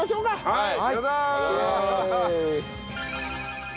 はい。